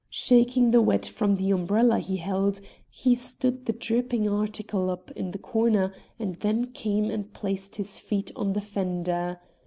Shaking the wet from the umbrella he held, he stood the dripping article up in a corner and then came and placed his feet on the fender.